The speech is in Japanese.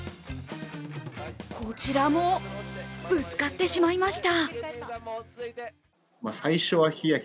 こちらも、ぶつかってしまいました